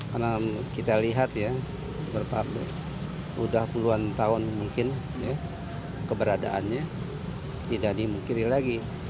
karena kita lihat ya berapa udah puluhan tahun mungkin keberadaannya tidak dimungkiri lagi